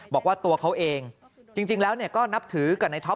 บอกว่าตัวเขาเองจริงแล้วก็นับถือกับนายท็อ